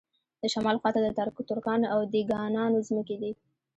د شمال خواته د ترکانو او دېګانانو ځمکې دي.